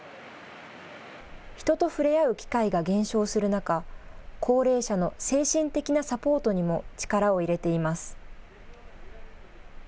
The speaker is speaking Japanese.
人と触れ合う機会が減少する中、高齢者の精神的なサポートにも力を入れています。